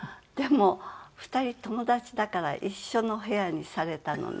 でも２人友達だから一緒の部屋にされたのね。